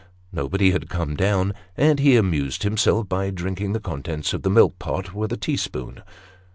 Nobody had come down, and he amused himself by drinking the contents of the milk pot with a tea spoon.